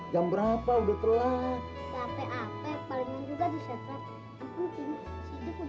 jam berapa udah telat